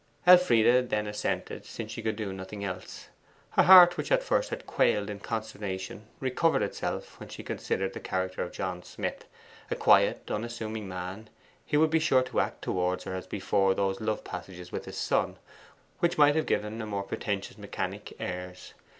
Elfride then assented, since she could do nothing else. Her heart, which at first had quailed in consternation, recovered itself when she considered the character of John Smith. A quiet unassuming man, he would be sure to act towards her as before those love passages with his son, which might have given a more pretentious mechanic airs.